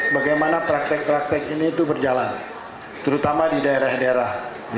bagaimana praktek praktek ini itu berjalan terutama di daerah daerah